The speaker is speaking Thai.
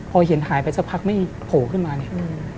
พอเห็นหายไปสักพักไม่โผล่ขึ้นมาเนี่ย